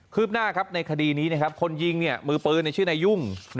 คืบหน้าในคดีนี้คนยิงมือปือนในชื่อนายุ่ง